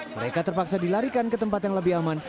mereka terpaksa dilarikan ke tempat yang lebih aman